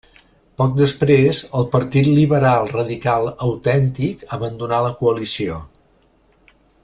Poc després el Partit Liberal Radical Autèntic abandonà la coalició.